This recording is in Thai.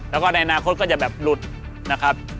แล้วก็ในอนาคตก็จะแบบหลุดนะครับ